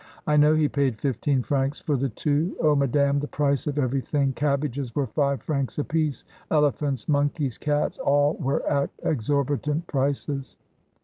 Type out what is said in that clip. "I know he paid fifteen francs for the two. Oh, madame, the price of every thing! Cabbages were five francs apiece! Elephants, monkeys, cats, all were at exorbitant prices."